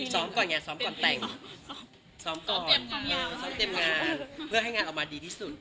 ซ้อมก่อนไงซ้อมก่อนแต่งซ้อมก่อนซ้อมเต็มงานเพื่อให้งานออกมาดีที่สุด